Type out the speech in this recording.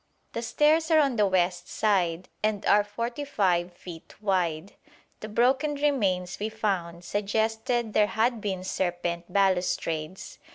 The stairs are on the west side, and are 45 feet wide; the broken remains we found suggested there had been serpent balustrades.